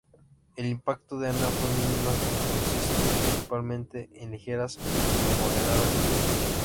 El impacto de Ana fue mínima, que consiste principalmente en ligeras a moderadas lluvias.